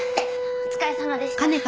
お疲れさまでした。